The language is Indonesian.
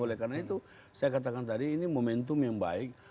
oleh karena itu saya katakan tadi ini momentum yang baik